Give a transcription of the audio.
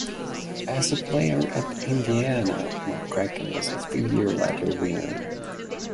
As a player at Indiana, McCracken was a three-year letter winner.